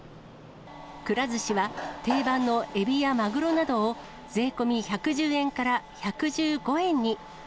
くら寿司は、定番のエビやマグロなどを、税込み１１０円から１１５円に。